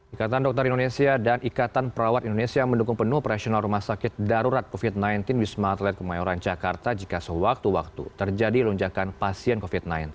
ikatan dokter indonesia dan ikatan perawat indonesia mendukung penuh operasional rumah sakit darurat covid sembilan belas wisma atlet kemayoran jakarta jika sewaktu waktu terjadi lonjakan pasien covid sembilan belas